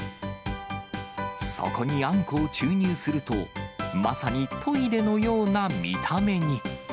そこにあんこを注入すると、まさにトイレのような見た目に。